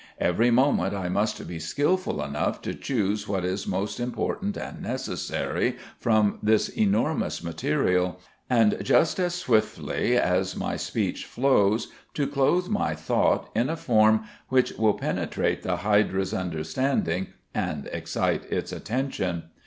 Every moment I must be skilful enough to choose what is most important and necessary from this enormous material, and just as swiftly as my speech flows to clothe my thought in a form which will penetrate the hydra's understanding and excite its attention.